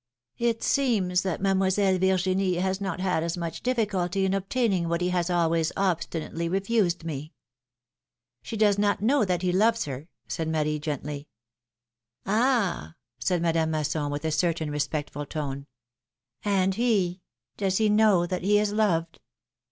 It seems that Mademoiselle Virginie has not had as much difficulty in obtaining what he has always obstinately refused me!" She does not know that he loves her," said Marie, gently. *^Ah !" said Madame Masson, with a certain respectful tone. ^'And he — does he know that he is loved?"